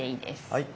はい。